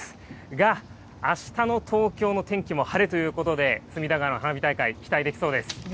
が、あしたの東京の天気も晴れということで、隅田川の花火大会、期待できそうです。